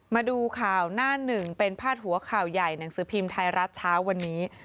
มาดูข่าวหน้าหนึ่งเป็นพาดหัวข่าวใหญ่หนังสือพิมพ์ไทยรัฐเช้าวันนี้